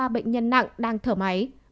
bốn trăm linh ba bệnh nhân nặng đang thở máy